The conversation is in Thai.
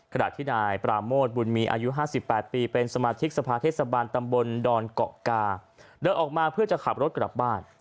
ขณะที่นายปราโมทบุญมีอายุ๕๘ปีเป็นสมาชิกสภาเทศบาลตำบลดอนเกาะกาเดินออกมาเพื่อจะขับรถกลับบ้าน